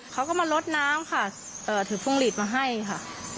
เขาก็มาลดน้ำค่ะถือพวงหลีดมาให้ค่ะ